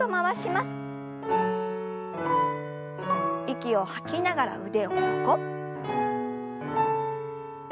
息を吐きながら腕を横。